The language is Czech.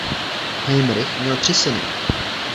Heimrih měl tři syny.